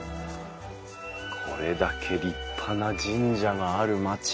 これだけ立派な神社がある町。